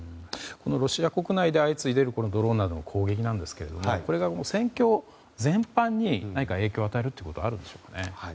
ロシア国内で相次いでいるドローンなどの攻撃ですがこれが戦況全般に何か影響を与えることはあるんでしょうか。